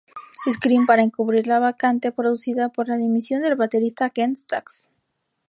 Scream, para cubrir la vacante producida por la dimisión del baterista Kent Stax.